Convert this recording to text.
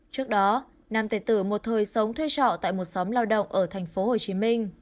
trước đó nam tề tử một thời sống thuê trọ tại một xóm lao động ở thành phố hồ chí minh